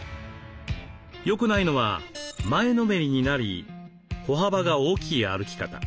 よくないのは前のめりになり歩幅が大きい歩き方。